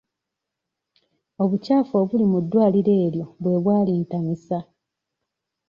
Obukyafu obuli mu ddwaliro eryo bwe bwa lintamisa.